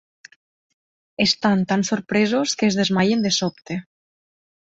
Estan tan sorpresos que es desmaien de sobte.